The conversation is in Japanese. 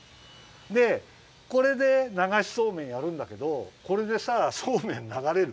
でこれでながしそうめんやるんだけどこれでさそうめんながれる？